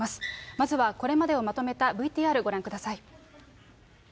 まずはこれまでをまとめたＶＴＲ、ご覧ください。